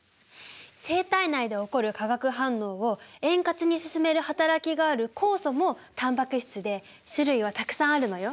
生体内で起こる化学反応を円滑に進める働きがある酵素もタンパク質で種類はたくさんあるのよ。